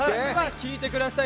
聴いてください。